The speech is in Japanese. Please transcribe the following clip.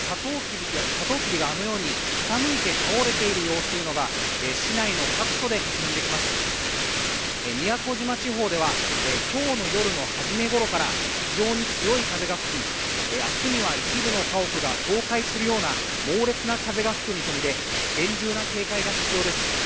サトウキビがあのように傾いて倒れている様子というのが市内の各所で確認できます宮古島地方では今日の夜の初めごろから非常に強い風が吹き明日には一部の家屋が倒壊するような猛烈な風が吹く見込みで厳重な警戒が必要です